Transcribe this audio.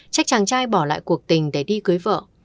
chắc chàng trai bỏ lại cuộc tình để đi cưới vợ